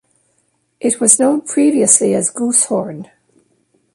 It was known previously as Goosehorn.